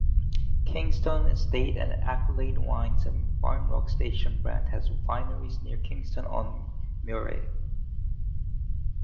Kingston Estate and Accolade Wines' Banrock Station brand have wineries near Kingston On Murray.